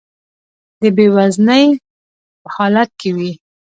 د بې وزنۍ په حالت کې وي.